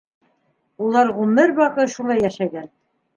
Улар ғүмер баҡый шулай йәшәгән.